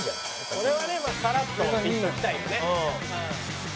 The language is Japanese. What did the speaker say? これはねまあさらっといっておきたいよね。